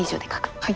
はい。